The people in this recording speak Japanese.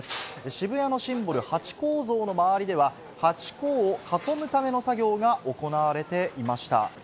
渋谷のシンボル、ハチ公像の周りでは、ハチ公を囲むための作業が行われていました。